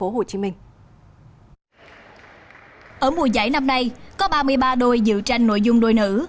ở mùa giải năm nay có ba mươi ba đôi dự tranh nội dung đôi nữ